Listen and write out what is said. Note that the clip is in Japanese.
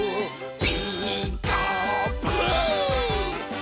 「ピーカーブ！」